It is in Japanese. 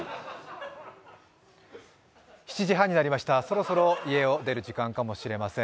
７時３０分になりました、そろそろ家を出る時間かもしれません。